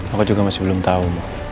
aku juga masih belum tahu